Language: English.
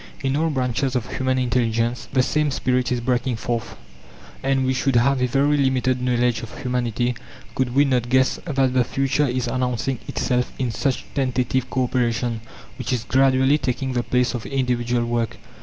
In all branches of human intelligence the same spirit is breaking forth, and we should have a very limited knowledge of humanity could we not guess that the future is announcing itself in such tentative co operation, which is gradually taking the place of individual work.